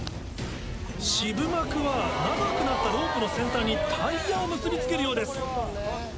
渋幕は長くなったロープの先端にタイヤを結び付けるようです。